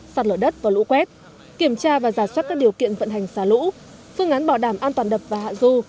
sạt lở đất và lũ quét kiểm tra và giả soát các điều kiện vận hành xả lũ phương án bảo đảm an toàn đập và hạ du